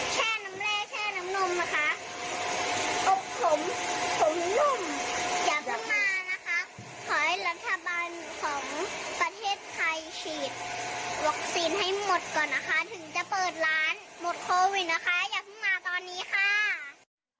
แช่น้ำแร่แช่น้ำนมนะคะอบผมผมนุ่มอยากมานะคะ